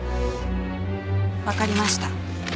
わかりました。